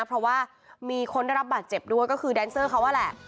เพราะว่ามีคนได้รับบาดเจ็บด้วยก็คือแดนเซอร์เขานั่นแหละ